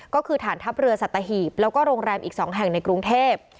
ก็คือฐานทัพเรือสัตหีบแล้วก็โรงแรมอีก๒แห่งในกรุงเทพ